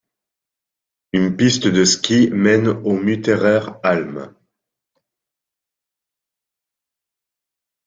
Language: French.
Une piste de ski mène au Mutterer Alm.